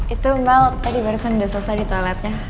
itu mel tadi barusan udah selesai di toiletnya